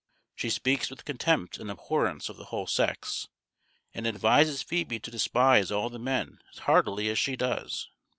She speaks with contempt and abhorrence of the whole sex, and advises Phoebe to despise all the men as heartily as she does.